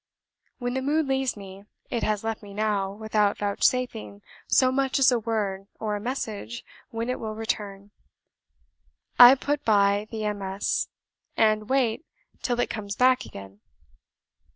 When the mood leaves me (it has left me now, without vouchsafing so much as a word or a message when it will return) I put by the MS. and wait till it comes back again.